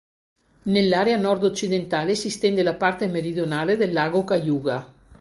Nell'area nord-occidentale si stende la parte meridionale del lago Cayuga.